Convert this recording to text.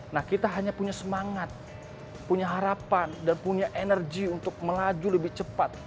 nah kita hanya punya semangat punya harapan dan punya energi untuk melaju lebih cepat